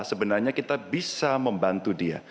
sebenarnya kita bisa membantu dia